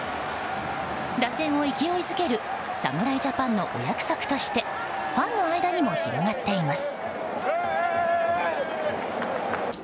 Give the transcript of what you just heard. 打線を勢いづける侍ジャパンのお約束としてファンの間にも広がっています。